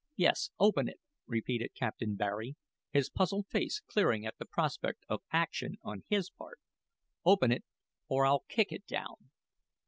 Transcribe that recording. "Yes, open it," repeated Captain Barry, his puzzled face clearing at the prospect of action on his part. "Open it or I'll kick it down."